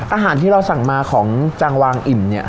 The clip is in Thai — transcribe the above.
อาหารที่เราสั่งมาของจังวางอิ่มเนี่ย